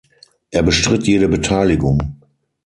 Er bestritt jede Beteiligung.